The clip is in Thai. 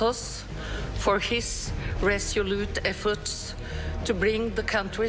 พร้อมกับการจัดการทางราชาอยู่กว่า๕๐ปี